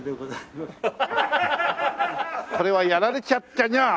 これはやられちゃったにゃー。